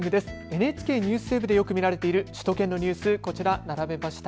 ＮＨＫＮＥＷＳＷＥＢでよく見られている首都圏のニュース、並べました。